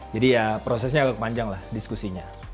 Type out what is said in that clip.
jadi ya prosesnya agak panjang lah diskusinya